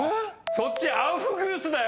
そっちアウフグースだよ！